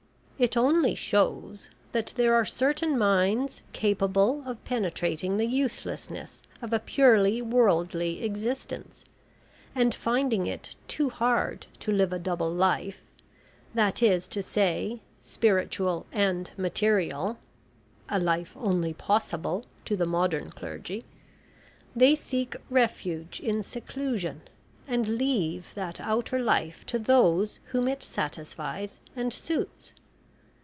It only shows that there are certain minds capable of penetrating the uselessness of a purely worldly existence, and finding it too hard to live a double life, that is to say, spiritual and material (a life only possible to the modern clergy), they seek refuge in seclusion and leave that outer life to those whom it satisfies and suits.